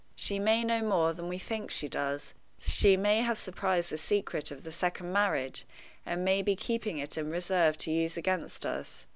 She may know more than we think she does; she may have surprised the secret of the second marriage, and may be keeping it in reserve to use against us.